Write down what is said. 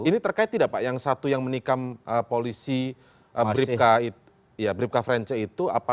ini terkait tidak pak yang satu yang menikam polisi bribka frence itu